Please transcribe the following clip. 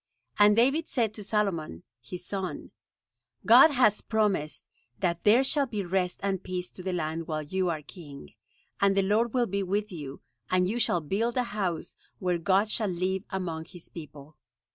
And David said to Solomon, his son: "God has promised that there shall be rest and peace to the land while you are king; and the Lord will be with you, and you shall build a house, where God shall live among His people."